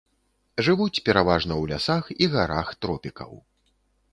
Жывуць пераважна ў лясах і гарах тропікаў.